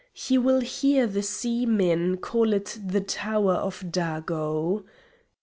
He will hear the seamen call it the Tower of Dago.